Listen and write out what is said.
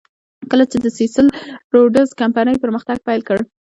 کله چې د سیسل روډز کمپنۍ پرمختګ پیل کړ.